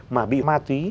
mà bị ma tí